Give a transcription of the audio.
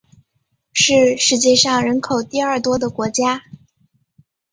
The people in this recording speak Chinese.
是世界上人口第二多的国家。